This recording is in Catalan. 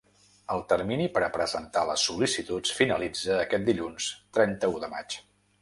El termini per a presentar les sol·licituds finalitza aquest dilluns trenta-u de maig.